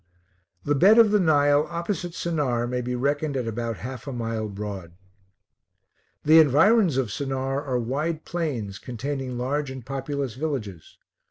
The bed of the Nile opposite Sennaar may be reckoned at about half a mile broad. The environs of Sennaar are wide plains, containing large and populous villages.